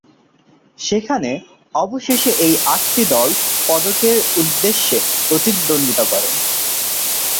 সেখানে অবশেষে এই আটটি দল পদকের উদ্দেশ্যে প্রতিদ্বন্দ্বিতা করে।